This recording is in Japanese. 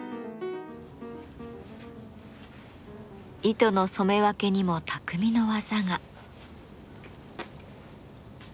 糸の染め分けにも匠の技が。